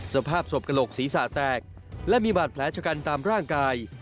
สภาพศพกระโหลกศีรษะแตกและมีบาดแผลชะกันตามร่างกาย